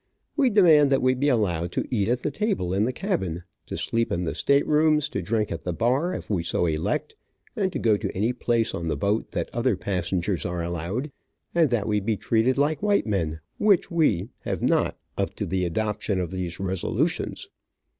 We demand that we be allowed to eat at the table in the cabin, to sleep in the state rooms, to drink at the bar if we so elect, and to go to any place on the boat that other passengers are allowed, and that we be treated like white men, which we, have not up to the adoption of these resolutions.